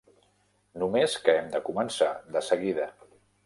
Només que hem de començar de seguida.